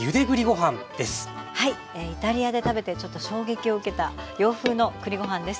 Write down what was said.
イタリアで食べてちょっと衝撃を受けた洋風の栗ご飯です。